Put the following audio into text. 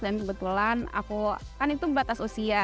dan kebetulan aku kan itu batas usia